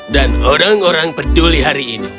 dan orang orang peduli hari ini